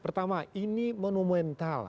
pertama ini monumental